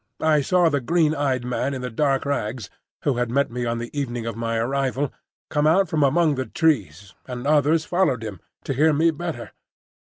I saw the green eyed man in the dark rags, who had met me on the evening of my arrival, come out from among the trees, and others followed him, to hear me better.